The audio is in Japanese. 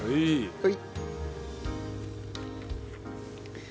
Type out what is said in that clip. はい。